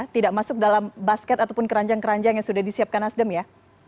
tidak masuk dalam basket ataupun keranjang keranjang yang sudah disiapkan nasdem ya